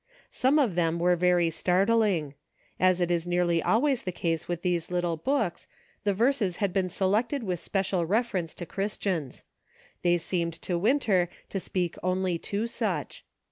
Some of them were very startling ; as is nearly always the case with these little books, the verses had been selected with special reference to Christians ; they seemed to Winter to speak only to such.